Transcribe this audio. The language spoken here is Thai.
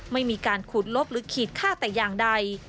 ไม่มีการขูดลบหรือขีดค่าแต่อย่างใด